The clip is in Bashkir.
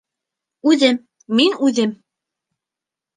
Үҙем, мин үҙем